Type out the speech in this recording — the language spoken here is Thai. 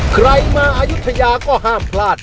ใครมาอายุทยาก็ห้ามพลาด